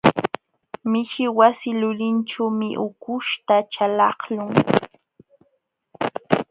Mishi wasi lulinćhuumi ukuśhta chalaqlun.